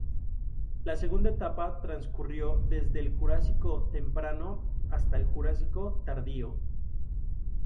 La segunda etapa transcurrió desde el Jurásico Temprano hasta el Jurásico Tardío.